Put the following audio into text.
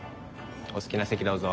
お好きな席どうぞ。